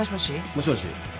もしもし。